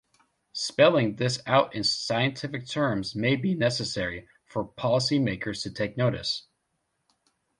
Spelling this out in scientific terms may be necessary for policymakers to take notice.